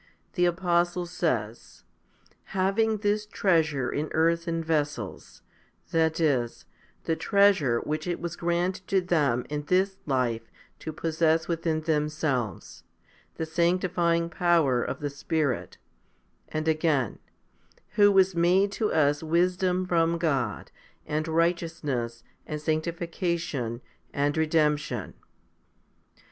The apostle says, Having this treasure in earthen vessels, 1 that is, the treasure which it was granted to them in this life to possess within themselves, the sanctifying power of the Spirit ; and again, Who was made to us wisdom from God, and righteousness, and sanctification , and redemption* 1 2 Cor.